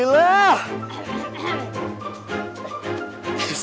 iya udah deh